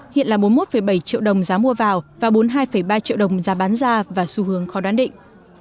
hiện là bốn mươi một bảy triệu đồng giá mua vào và bốn mươi hai ba triệu đồng giá bán ra và xu hướng khó đoán định